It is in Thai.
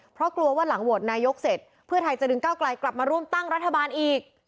เพราะกลัวว่าหลังโหวตนายกเสร็จเพื่อไทยจะดึงก้าวไกลกลับมาร่วมตั้งรัฐบาลอีก